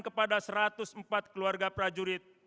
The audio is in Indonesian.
kepada satu ratus empat keluarga prajurit